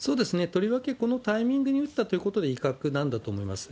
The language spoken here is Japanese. とりわけ、このタイミングに撃ったということで威嚇なんだと思います。